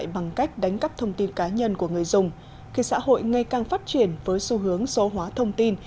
bằng cách đánh cắp thông tin cá nhân của người dùng khi xã hội ngày càng phát triển với xu hướng số hóa thông tin